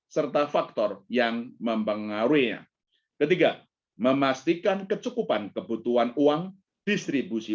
serta faktor yang mempengaruhinya ketiga memastikan kecukupan kebutuhan uang distribusi